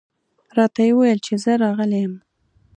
راته یې وویل چې زه راغلی یم.